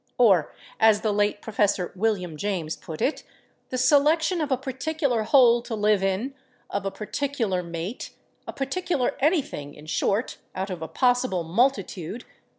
Or, as the late Prof. William James put it, "the selection of a particular hole to live in, of a particular mate, ... a particular anything, in short, out of a possible multitude